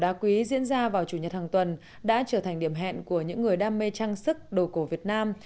đá quý diễn ra vào chủ nhật hàng tuần đã trở thành điểm hẹn của những người đam mê trang sức đồ cổ việt nam